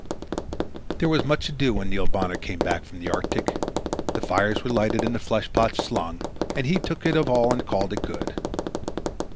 There was much ado when Neil Bonner came back from the Arctic. The fires were lighted and the fleshpots slung, and he took of it all and called it good.